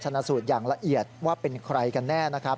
ชนะสูตรอย่างละเอียดว่าเป็นใครกันแน่นะครับ